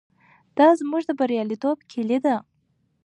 دا زموږ د بریالیتوب کیلي ده.